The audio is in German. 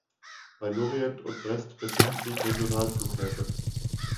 Bei Lorient und Brest befinden sich Regionalflughäfen.